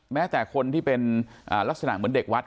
แม้แต่คนที่เป็นลักษณะเหมือนเด็กวัด